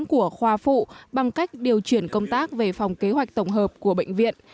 của khoa phụ bằng cách điều chuyển công tác về phòng kế hoạch tổng hợp của bệnh viện